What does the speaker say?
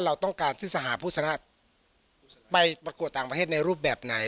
เราต้องการที่สหพุทธสหรัฐไปประกวดต่างประเทศในรูปแบบไหน